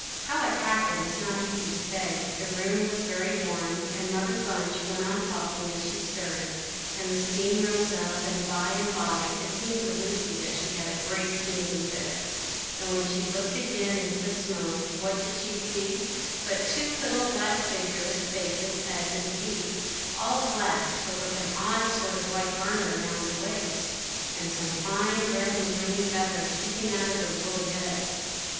How it happened, it is not easy to say; the room was very warm, and Mother Bunch went on talking as she stirred, and a steam rose up, and by and by it seemed to Lucy that she had a great sneezing fit, and when she looked again into the smoke, what did she see but two little black figures, faces, heads, and feet all black, but with an odd sort of white garment round their waists, and some fine red and green feathers sticking out of their woolly heads.